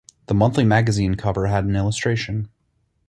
The monthly magazine cover had an illustration.